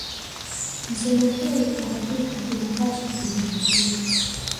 Msemo huu kwa hakika unapaswa kuzingatiwa